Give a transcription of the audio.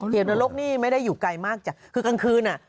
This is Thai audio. นรกนี่ไม่ได้อยู่ไกลมากจ้ะคือกลางคืนอ่ะ